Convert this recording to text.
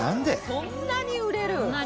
そんなに売れる？